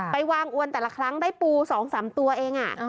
ไปวางอวนแต่ละครั้งได้ปู๒๓ตัวเอง